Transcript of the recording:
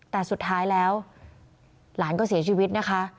แต่สุดท้ายแล้วหลานก็เสียชีวิตนะคะ